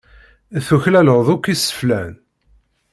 Tuklaleḍ akk iseflan.